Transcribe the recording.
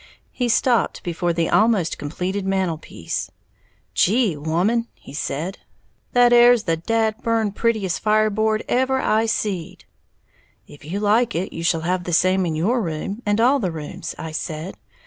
He stopped before the almost completed mantelpiece. "Gee, woman," he said, "that 'ere's the dad burn prettiest fireboard ever I seed!" "If you like it, you shall have the same in your room, and all the rooms," I said.